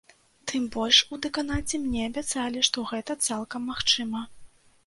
Тым больш у дэканаце мне абяцалі, што гэта цалкам магчыма.